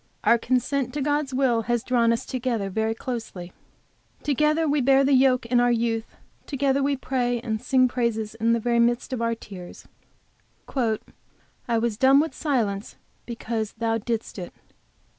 Our consent to God's will has drawn us together very closely, together we bear the yoke in our youth, together we pray and sing praises in the very midst of our tears "I was dumb with silence because Thou didst it."